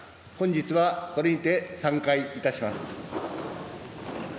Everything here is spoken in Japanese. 本日はこれにて散会いたします。